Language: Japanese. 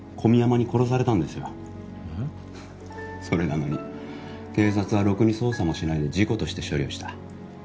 それなのに警察はろくに捜査もしないで事故として処理をした。